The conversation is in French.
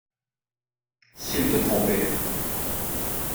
S’il te trompait ?